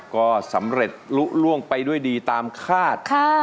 ก็สำเร็จลุ้งไปด้วยดีตามคาด